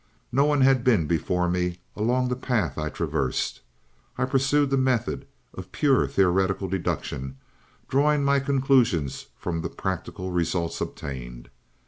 No one had been before me along the path I traversed. I pursued the method of pure theoretical deduction, drawing my conclusions from the practical results obtained.